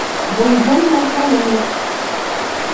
Буйһонмай хәлем юҡ.